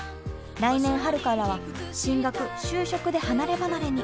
来年春からは進学就職で離ればなれに。